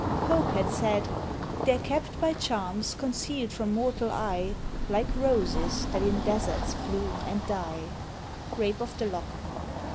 Pope had said: There kept by charms conceal'd from mortal eye, Like roses that in deserts bloom and die. _Rape of the Lock.